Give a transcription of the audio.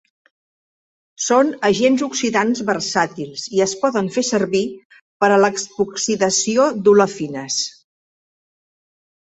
Són agents oxidants versàtils i es poden fer servir per a l'epoxidació d'olefines.